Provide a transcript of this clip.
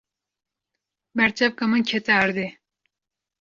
Berçavka min kete erdê.